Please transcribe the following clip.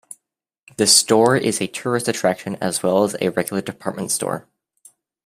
The store is a tourist attraction as well as a regular department store.